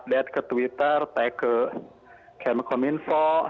ada yang berada di dalamnya